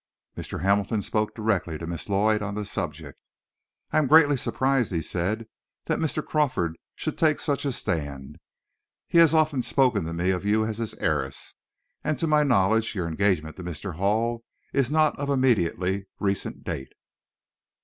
Mr. Hamilton spoke directly to Miss Lloyd on the subject. "I am greatly surprised," he said, "that Mr. Crawford should take such a stand. He has often spoken to me of you as his heiress, and to my knowledge, your engagement to Mr. Hall is not of immediately recent date."